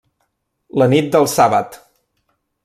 La nit del sàbat.